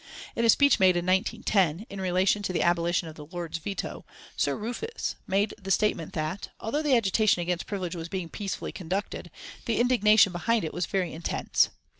In a speech made in 1910, in relation to the abolition of the Lords' veto, Sir Rufus made the statement that, although the agitation against privilege was being peacefully conducted, the indignation behind it was very intense.